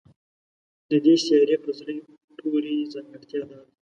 د دې سیارې په زړه پورې ځانګړتیا دا ده